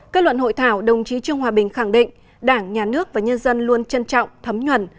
kết luận hội thảo đồng chí trương hòa bình khẳng định đảng nhà nước và nhân dân luôn trân trọng thấm nhuần